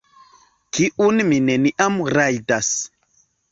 Kiun mi neniam rajdas